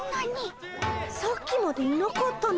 さっきまでいなかったのに。